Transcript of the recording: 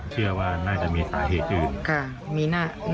เชื่อว่าน่าจะมีสาเหตุอื่น